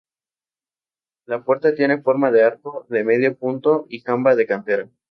La puerta tiene forma de arco de medio punto y jamba de cantera.